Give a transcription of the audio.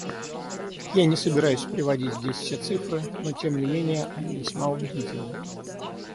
Я не собираюсь приводить здесь все цифры, но тем не менее они весьма убедительны.